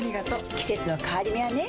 季節の変わり目はねうん。